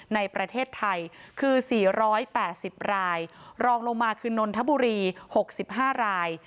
ในประเทศไทยคือ๔๘๐รายรองลงมาคือนนทบุรี๖๕ราย